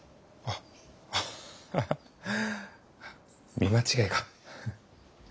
見間違いか。